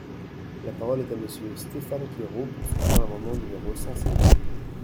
La parole est à Monsieur Stéphane Claireaux, pour soutenir l’amendement numéro cent seize.